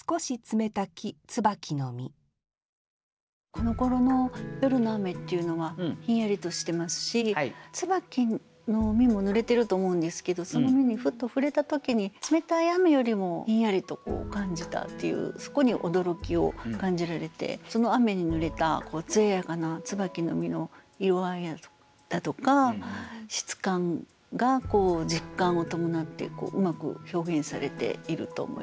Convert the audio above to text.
このころの夜の雨っていうのはひんやりとしてますし椿の実もぬれてると思うんですけどその実にふっと触れた時に冷たい雨よりもひんやりと感じたっていうそこに驚きを感じられてその雨にぬれたつややかな椿の実の色合いだとか質感が実感を伴ってうまく表現されていると思います。